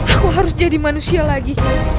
aku harus jadi manusia lagi